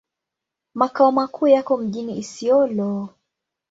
Makao makuu yako mjini Isiolo.